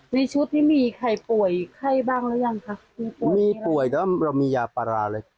นี่ชุดที่มีใครป่วยไข้บ้างแล้วยังคะมีป่วยมีป่วยแต่ว่าเรามียาพาราเลย